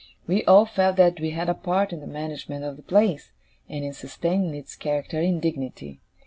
We all felt that we had a part in the management of the place, and in sustaining its character and dignity.